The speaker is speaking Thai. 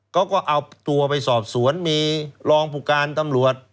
เขาก็เอาตัวไปสอบสวนมีรองผู้การตำรวจ